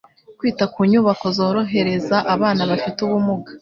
Kwita ku nyubako zorohereza abana bafite ubumuga